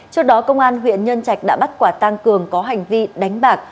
trước đó công an huyện nhân trạch đã bắt quả tăng cường có hành vi đánh bạc